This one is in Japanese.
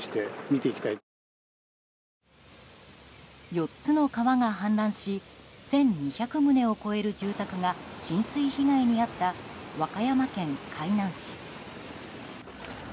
４つの川が氾濫し１２００棟を超える住宅が浸水被害に遭った和歌山県海南市。